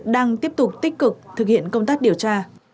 đang tiếp tục tích cực thực hiện công tác điều tra